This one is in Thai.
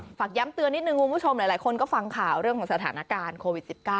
ฝากย้ำเตือนนิดนึงคุณผู้ชมหลายคนก็ฟังข่าวเรื่องของสถานการณ์โควิด๑๙